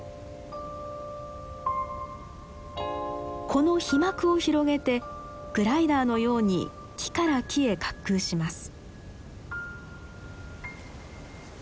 この飛膜を広げてグライダーのように木から木へ滑空します。